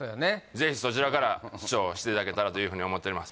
ぜひそちらから視聴していただけたらというふうに思っております